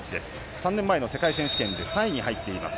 ３年前の世界選手権で３位に入っています。